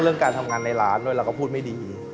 การทำงานในร้านด้วยเราก็พูดไม่ดี